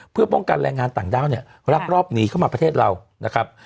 เพื่อป้องกันแรงงานต่างด้าวเนี่ยรักรอบหนีเข้ามาประเทศเรานะครับ